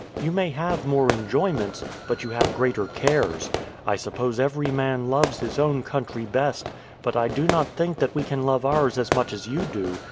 You may have more enjoyments, but you have greater cares. I suppose every man loves his own country best, but I do not think that we can love ours as much as you do.